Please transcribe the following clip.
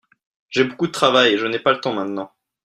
J'ai beaucoup de travail. Je n'ai pas le temps maintenant.